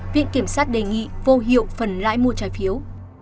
viện kiểm sát đề nghị vô hiệu phần lãi mua trái phiếu